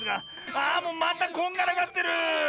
あもうまたこんがらがってる！